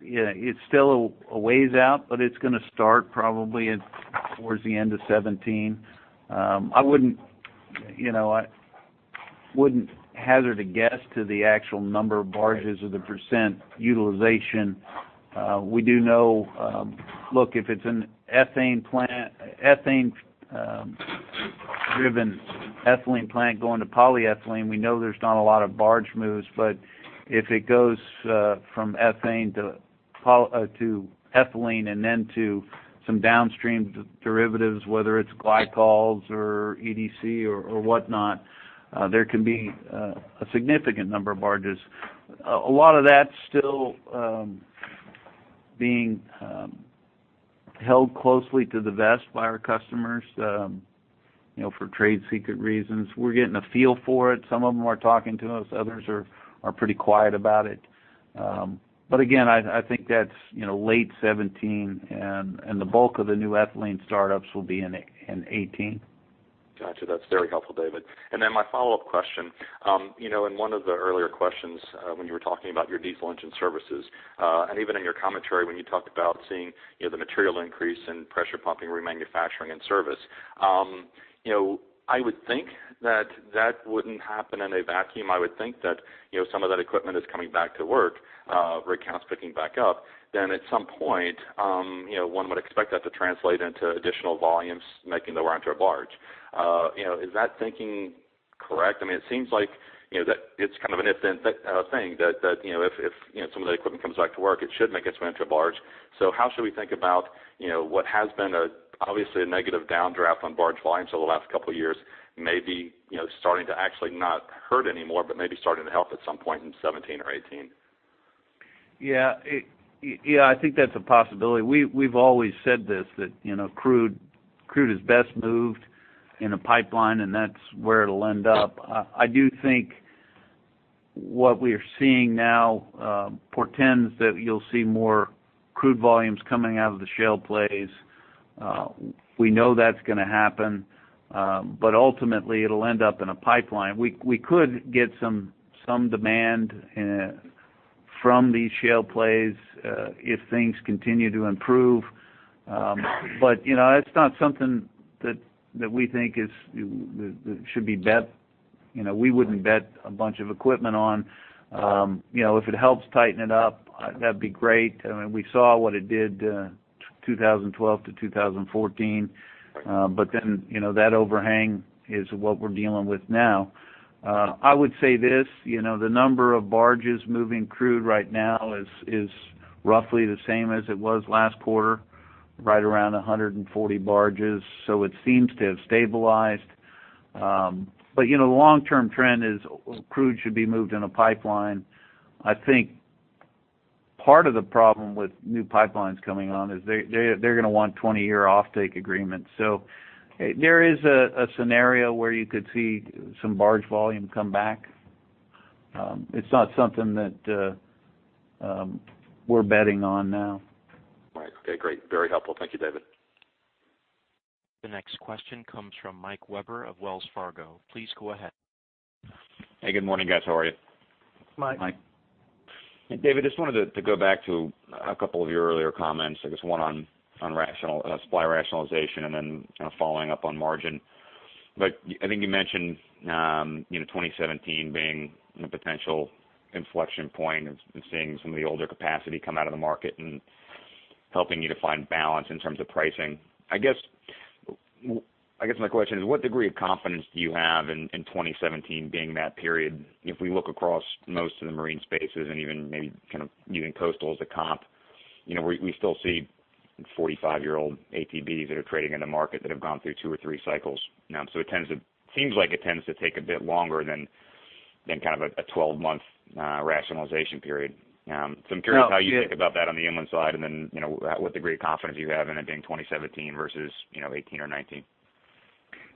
it's still a ways out, but it's gonna start probably at towards the end of 2017. I wouldn't, you know, I wouldn't hazard a guess to the actual number of barges or the percent utilization. We do know. Look, if it's an ethane plant, ethane driven ethylene plant going to polyethylene, we know there's not a lot of barge moves. But if it goes from ethane to poly- to ethylene and then to some downstream derivatives, whether it's glycols or EDC or whatnot, there can be a significant number of barges. A lot of that's still being held closely to the vest by our customers, you know, for trade secret reasons. We're getting a feel for it. Some of them are talking to us, others are pretty quiet about it. But again, I think that's, you know, late 2017, and the bulk of the new ethylene startups will be in 2018. Gotcha. That's very helpful, David. And then my follow-up question, you know, in one of the earlier questions, when you were talking about your diesel engine services, and even in your commentary, when you talked about seeing, you know, the material increase in pressure pumping, remanufacturing, and service, you know, I would think that that wouldn't happen in a vacuum. I would think that, you know, some of that equipment is coming back to work, rig counts picking back up. Then at some point, you know, one would expect that to translate into additional volumes making their way onto a barge. You know, is that thinking correct? I mean, it seems like, you know, that it's kind of an if then thing, that you know, if you know, some of the equipment comes back to work, it should make its way into a barge. So how should we think about, you know, what has been obviously a negative downdraft on barge volumes over the last couple of years, maybe, you know, starting to actually not hurt anymore, but maybe starting to help at some point in 2017 or 2018? Yeah, yeah, I think that's a possibility. We've always said this, that, you know, crude is best moved in a pipeline, and that's where it'll end up. I do think what we are seeing now portends that you'll see more crude volumes coming out of the shale plays. We know that's gonna happen, but ultimately, it'll end up in a pipeline. We could get some demand from these shale plays if things continue to improve. But, you know, it's not something that we think is that should be bet. You know, we wouldn't bet a bunch of equipment on. You know, if it helps tighten it up, that'd be great. I mean, we saw what it did 2012-2014. But then, you know, that overhang is what we're dealing with now. I would say this, you know, the number of barges moving crude right now is roughly the same as it was last quarter, right around 140 barges, so it seems to have stabilized. But, you know, the long-term trend is crude should be moved in a pipeline. I think part of the problem with new pipelines coming on is they, they're gonna want 20-year offtake agreements. So there is a scenario where you could see some barge volume come back. It's not something that, we're betting on now. Right. Okay, great. Very helpful. Thank you, David. The next question comes from Mike Webber of Wells Fargo. Please go ahead. Hey, good morning, guys. How are you? Mike. Mike. David, just wanted to go back to a couple of your earlier comments. I guess one on supply rationalization, and then kind of following up on margin. But I think you mentioned, you know, 2017 being a potential inflection point and seeing some of the older capacity come out of the market and helping you to find balance in terms of pricing. I guess my question is: What degree of confidence do you have in 2017 being that period? If we look across most of the marine spaces and even maybe kind of even coastal as a comp, you know, we still see 45-year-old ATBs that are trading in the market that have gone through two or three cycles now. So it seems like it tends to take a bit longer than kind of a 12-month rationalization period. So I'm curious how you think about that on the inland side, and then, you know, what degree of confidence you have in it being 2017 versus, you know, 2018 or 2019.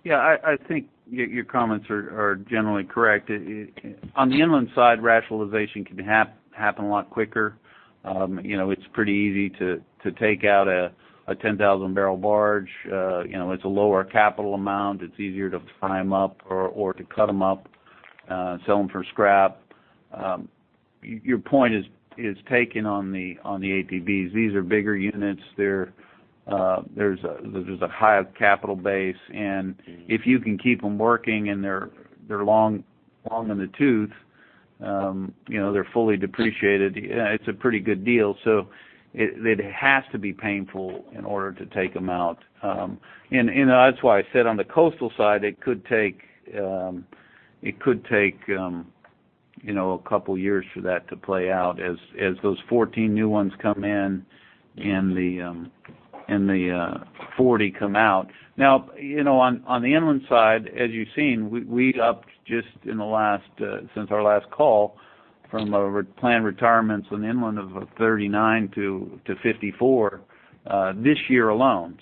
Yeah, I think your comments are generally correct. On the inland side, rationalization can happen a lot quicker. You know, it's pretty easy to take out a 10,000-barrel barge. You know, it's a lower capital amount. It's easier to tie them up or to cut them up, sell them for scrap. Your point is taken on the ATBs. These are bigger units. They're, there's a higher capital base, and if you can keep them working and they're long in the tooth, you know, they're fully depreciated, it's a pretty good deal. So it has to be painful in order to take them out. And that's why I said on the coastal side, it could take, you know, a couple of years for that to play out as those 14 new ones come in and the 40 come out. Now, you know, on the inland side, as you've seen, we upped just in the last since our last call, from planned retirements on inland of 39 to 54 this year alone.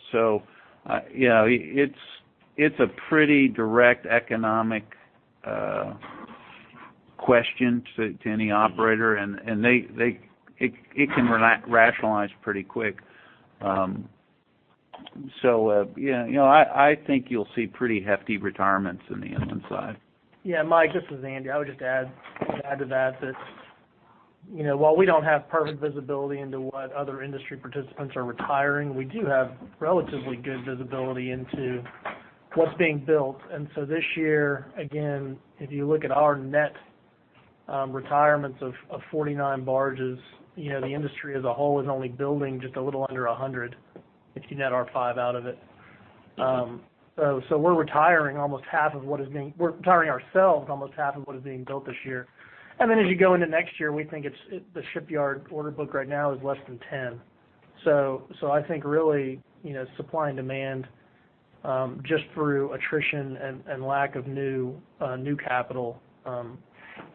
So, you know, I think you'll see pretty hefty retirements in the inland side. Yeah, Mike, this is Andy. I would just add to that, you know, while we don't have perfect visibility into what other industry participants are retiring, we do have relatively good visibility into what's being built. And so this year, again, if you look at our net retirements of 49 barges, you know, the industry as a whole is only building just a little under 100, if you net our 5 out of it. So we're retiring, ourselves, almost half of what is being built this year. And then as you go into next year, we think the shipyard order book right now is less than 10. So, I think really, you know, supply and demand just through attrition and lack of new capital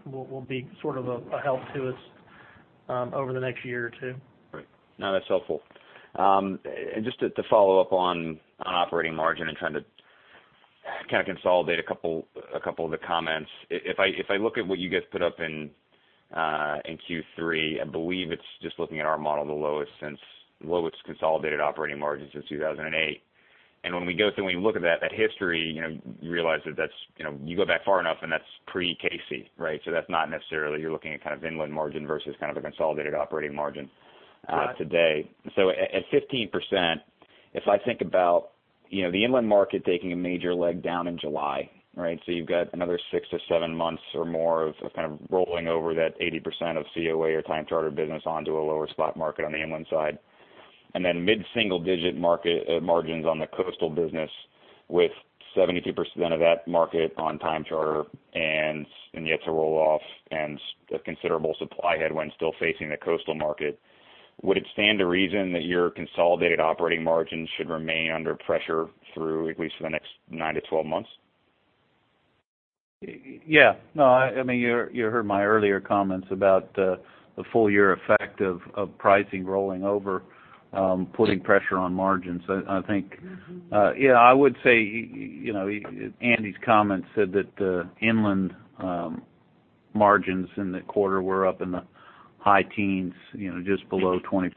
will be sort of a help to us over the next year or two. Great. No, that's helpful. And just to follow up on operating margin and trying to kind of consolidate a couple of the comments. If I look at what you guys put up in Q3, I believe it's just looking at our model, the lowest consolidated operating margin since 2008. And when we go through and we look at that history, you know, you realize that that's, you know, you go back far enough, and that's pre-K-Sea, right? So that's not necessarily you're looking at kind of inland margin versus kind of a consolidated operating margin today. Right. So at 15%, if I think about, you know, the inland market taking a major leg down in July, right? So you've got another 6-7 months or more of kind of rolling over that 80% of COA or time charter business onto a lower spot market on the inland side. And then mid-single digit market margins on the coastal business, with 72% of that market on time charter and yet to roll off and a considerable supply headwind still facing the coastal market. Would it stand to reason that your consolidated operating margins should remain under pressure through at least for the next 9-12 months? Yeah. No, I mean, you heard my earlier comments about the full year effect of pricing rolling over, putting pressure on margins. I think. Yeah, I would say, you know, Andy's comments said that the inland margins in the quarter were up in the high teens, you know, just below 20%.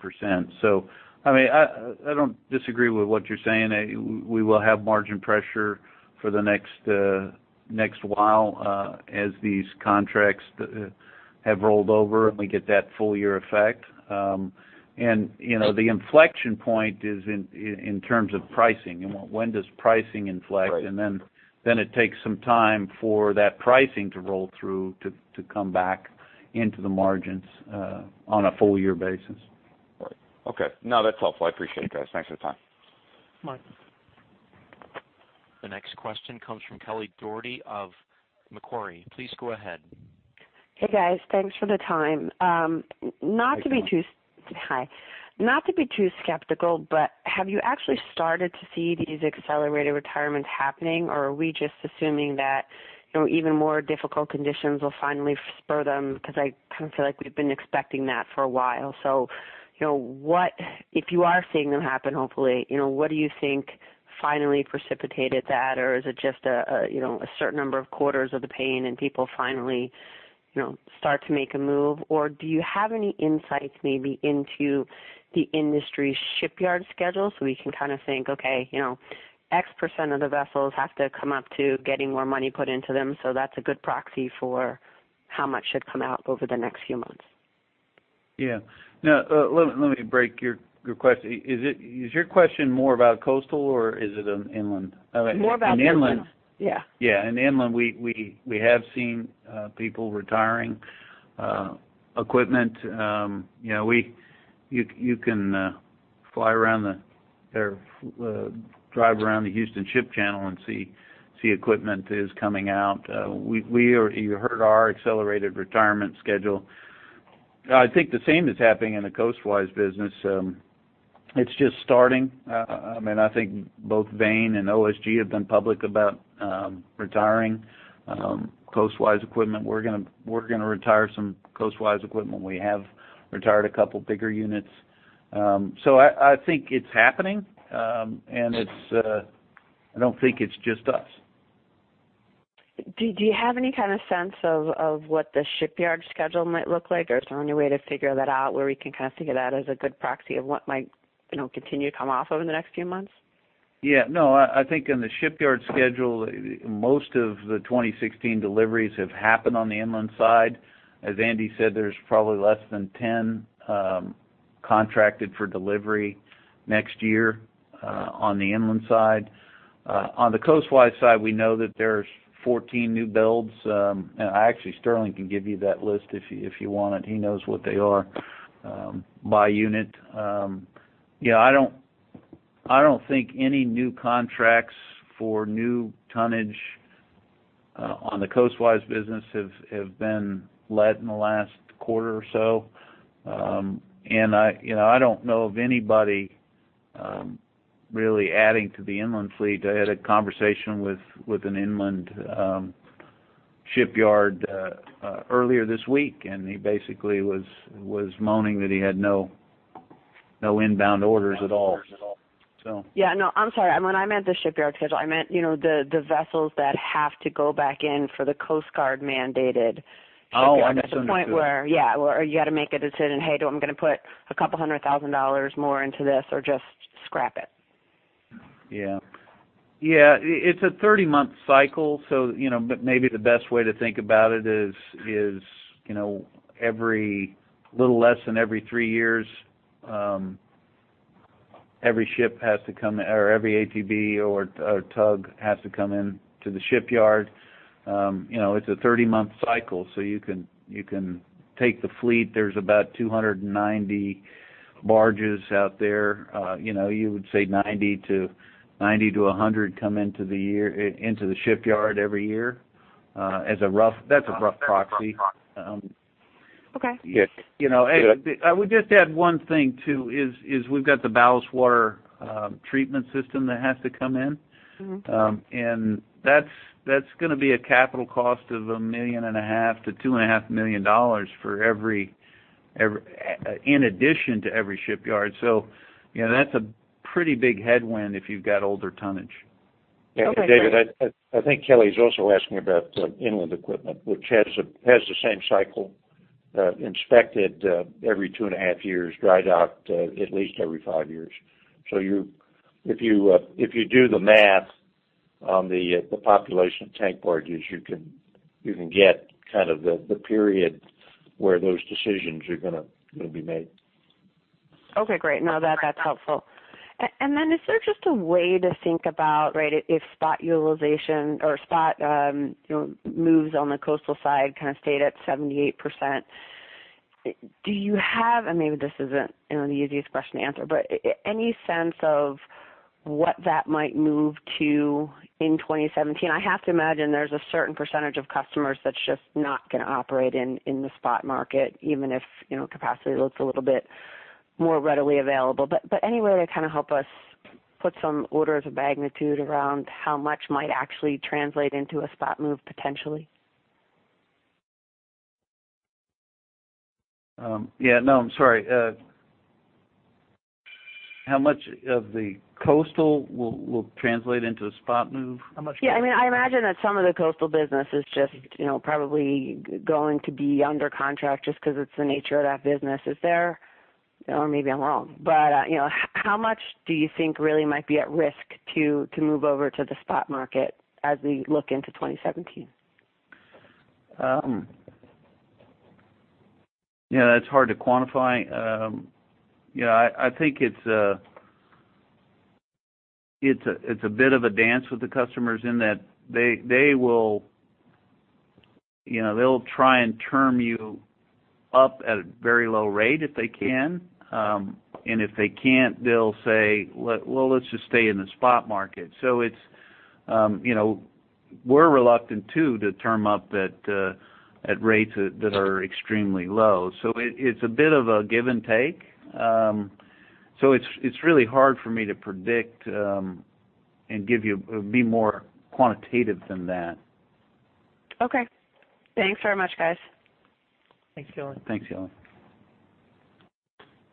So, I mean, I don't disagree with what you're saying. We will have margin pressure for the next while, as these contracts have rolled over, and we get that full year effect. And, you know, the inflection point is in terms of pricing, and when does pricing inflect? Right. And then it takes some time for that pricing to roll through, to come back into the margins, on a full year basis. Right. Okay. No, that's helpful. I appreciate it, guys. Thanks for the time. Mike. The next question comes from Kelly Dougherty of Macquarie. Please go ahead. Hey, guys, thanks for the time. Not to be too- Hey, Kelly. Hi. Not to be too skeptical, but have you actually started to see these accelerated retirements happening, or are we just assuming that, you know, even more difficult conditions will finally spur them? Because I kind of feel like we've been expecting that for a while. So you know, what, if you are seeing them happen, hopefully, you know, what do you think finally precipitated that? Or is it just a, you know, a certain number of quarters of the pain and people finally, you know, start to make a move? Or do you have any insights maybe into the industry's shipyard schedule, so we can kind of think, okay, you know, X% of the vessels have to come up to getting more money put into them, so that's a good proxy for how much should come out over the next few months? Yeah. Now, let me break your question. Is your question more about coastal, or is it on inland? More about inland. In inland. Yeah. Yeah, in inland, we have seen people retiring equipment. You know, you can fly around or drive around the Houston Ship Channel and see equipment is coming out. We are. You heard our accelerated retirement schedule. I think the same is happening in the coastwise business. It's just starting. I mean, I think both Vane and OSG have been public about retiring coastwise equipment. We're gonna retire some coastwise equipment. We have retired a couple bigger units. So I think it's happening, and it's. I don't think it's just us. Do you have any kind of sense of what the shipyard schedule might look like, or is there any way to figure that out, where we can kind of think of that as a good proxy of what might, you know, continue to come off over the next few months? Yeah. No, I think in the shipyard schedule, most of the 2016 deliveries have happened on the inland side. As Andy said, there's probably less than 10 contracted for delivery next year on the inland side. On the coastwise side, we know that there's 14 new builds. And actually, Sterling can give you that list if you want it. He knows what they are by unit. Yeah, I don't think any new contracts for new tonnage on the coastwise business have been let in the last quarter or so. And I, you know, I don't know of anybody really adding to the inland fleet. I had a conversation with an inland shipyard earlier this week, and he basically was moaning that he had no inbound orders at all. So. Yeah, no, I'm sorry. When I meant the shipyard schedule, I meant, you know, the vessels that have to go back in for the Coast Guard mandated. Oh, I misunderstood. At the point where. Yeah, or you got to make a decision, "Hey, do I'm gonna put $200,000 more into this or just scrap it? Yeah. Yeah, it's a 30-month cycle, so, you know, but maybe the best way to think about it is, you know, every little less than every three years, every ship has to come, or every ATB or tug has to come in to the shipyard. You know, it's a 30-month cycle, so you can take the fleet. There's about 290 barges out there. You know, you would say 90 to 100 come into the yard, into the shipyard every year, as a rough. That's a rough proxy. Okay. Yes. You know, hey, we just add one thing, too, is we've got the ballast water treatment system that has to come in. Mm-hmm. And that's gonna be a capital cost of $1.5 million-$2.5 million for every in addition to every shipyard. So, you know, that's a pretty big headwind if you've got older tonnage. Okay. David, I think Kelly is also asking about inland equipment, which has the same cycle, inspected every 2.5 years, dry docked at least every 5 years. So you—if you do the math on the population of tank barges, you can get kind of the period where those decisions are gonna be made. Okay, great. Now, that, that's helpful. And, and then, is there just a way to think about, right, if spot utilization or spot, you know, moves on the coastal side, kind of stayed at 78%, do you have. And maybe this isn't, you know, the easiest question to answer, but any sense of what that might move to in 2017? I have to imagine there's a certain percentage of customers that's just not gonna operate in, in the spot market, even if, you know, capacity looks a little bit more readily available. But, but any way to kind of help us put some orders of magnitude around how much might actually translate into a spot move, potentially? Yeah, no, I'm sorry. How much of the coastal will, will translate into a spot move? How much. Yeah, I mean, I imagine that some of the coastal business is just, you know, probably going to be under contract just because it's the nature of that business. Is there. Or maybe I'm wrong, but, you know, how much do you think really might be at risk to move over to the spot market as we look into 2017? Yeah, that's hard to quantify. Yeah, I think it's a bit of a dance with the customers in that they will, you know, they'll try and term you up at a very low rate if they can. And if they can't, they'll say, "Well, let's just stay in the spot market." So it's, you know, we're reluctant too, to term up that at rates that are extremely low. So it's a bit of a give and take. So it's really hard for me to predict and be more quantitative than that. Okay. Thanks very much, guys. Thanks, Kelly. Thanks, Kelly.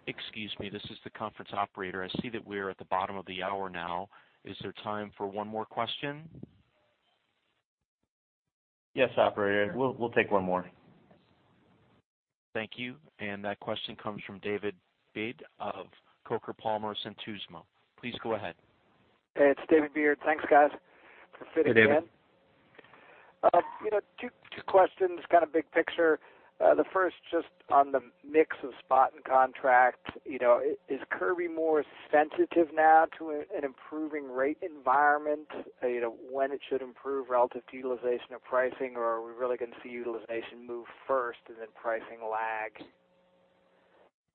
Excuse me, this is the conference operator. I see that we're at the bottom of the hour now. Is there time for one more question? Yes, operator. We'll, we'll take one more. Thank you. That question comes from David Beard of Coker Palmer Institutional. Please go ahead. Hey, it's David Beard. Thanks, guys, for fitting me in. Hey, David. You know, two, two questions, kind of big picture. The first, just on the mix of spot and contract. You know, is Kirby more sensitive now to an improving rate environment? You know, when it should improve relative to utilization of pricing, or are we really going to see utilization move first and then pricing lag?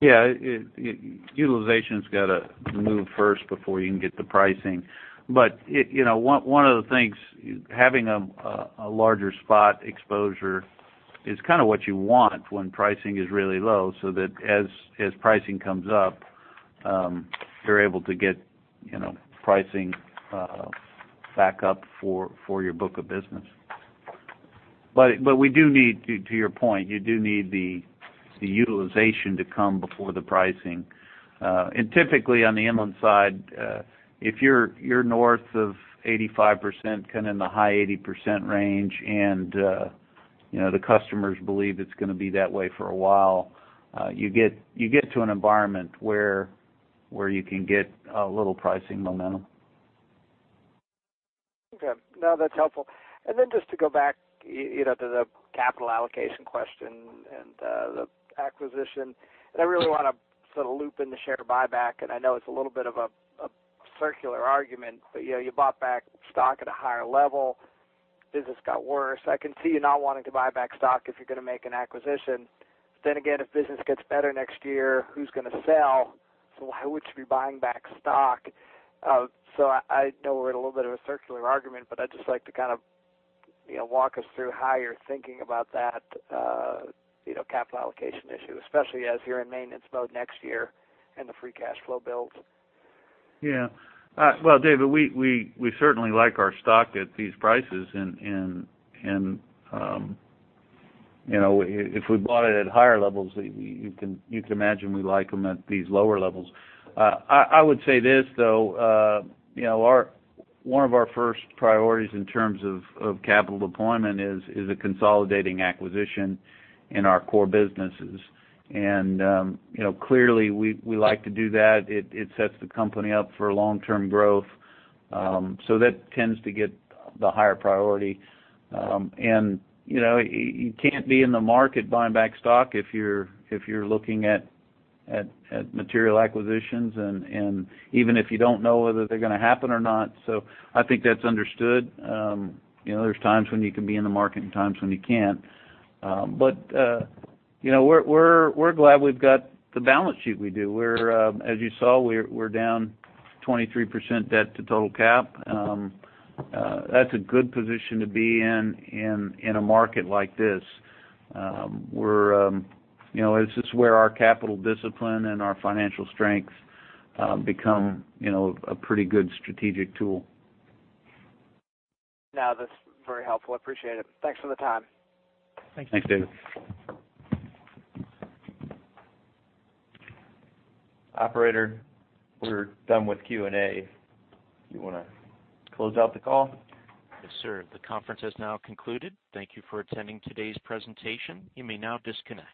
Yeah, utilization's got to move first before you can get the pricing. But it. You know, one of the things, having a larger spot exposure is kind of what you want when pricing is really low, so that as pricing comes up, you're able to get, you know, pricing back up for your book of business. But we do need, to your point, you do need the utilization to come before the pricing. And typically, on the inland side, if you're north of 85%, kind of in the high 80% range, and you know, the customers believe it's gonna be that way for a while, you get to an environment where you can get a little pricing momentum. Okay. No, that's helpful. And then just to go back, you know, to the capital allocation question and the acquisition. And I really want to sort of loop in the share buyback, and I know it's a little bit of a circular argument, but you know, you bought back stock at a higher level, business got worse. I can see you not wanting to buy back stock if you're going to make an acquisition. But then again, if business gets better next year, who's going to sell? So would you be buying back stock? So I know we're in a little bit of a circular argument, but I'd just like to kind of you know, walk us through how you're thinking about that capital allocation issue, especially as you're in maintenance mode next year and the free cash flow builds. Yeah. Well, David, we certainly like our stock at these prices, and, you know, if we bought it at higher levels, you can imagine we like them at these lower levels. I would say this, though, you know, one of our first priorities in terms of capital deployment is a consolidating acquisition in our core businesses. You know, clearly, we like to do that. It sets the company up for long-term growth, so that tends to get the higher priority. You know, you can't be in the market buying back stock if you're looking at material acquisitions, and even if you don't know whether they're going to happen or not. I think that's understood. You know, there's times when you can be in the market and times when you can't. But, you know, we're glad we've got the balance sheet we do. We're, as you saw, we're down 23% debt to total cap. That's a good position to be in, in a market like this. We're, you know, this is where our capital discipline and our financial strength become, you know, a pretty good strategic tool. Now, that's very helpful. I appreciate it. Thanks for the time. Thanks, David. Operator, we're done with Q&A. You want to close out the call? Yes, sir. The conference has now concluded. Thank you for attending today's presentation. You may now disconnect.